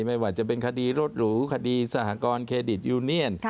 ไม่ว่าจะเป็นคดีรถหรูคดีสหกรณเครดิตยูเนียน